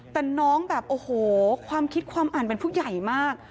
แต่น้องแบบโอ้โหความคิดความอ่านเป็นผู้ใหญ่มาก